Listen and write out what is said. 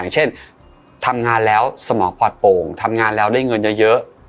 เช่นทำงานแล้วสมองปลอดโป่งทำงานแล้วได้เงินเยอะ